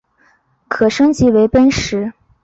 可升级成奔石。